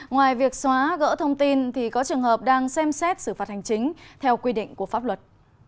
ngoài việc xóa gỡ thông tin thì có trường hợp đang xem xét xử phạt hành chính theo quy định của pháp luật